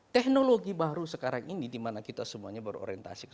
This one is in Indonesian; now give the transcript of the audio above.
teknologi baru sekarang ini dimana kita semuanya berorientasi